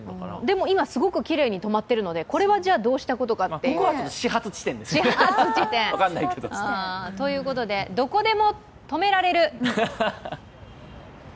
でも今すごくきれいに止まっているので、これはどうしたことかと。ということで、どこでも止められる？